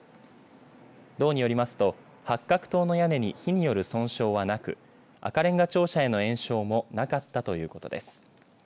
道によりますと八角塔の屋根に火による損傷はなく赤れんが庁舎への延焼もなかったということです。